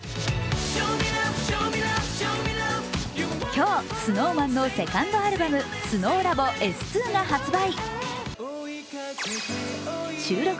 今日、ＳｎｏｗＭａｎのセカンドアルバム「ＳｎｏｗＬａｂｏ．Ｓ２」が発売。